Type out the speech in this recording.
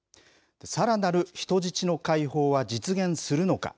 さらなる人質の解放は実現するのか。